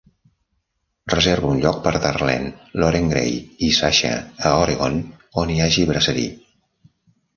Reserva un lloc per Darlene, Lauren Gray i Sasha a Oregon on hi hagi brasserie.